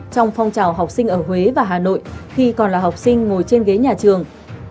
trong phong trào học sinh ở huế và hà nội khi còn là học sinh ngồi trên ghế nhà trường